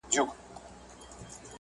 هغه د پښتنو، تاجکانو، ازبکانو، بلوچو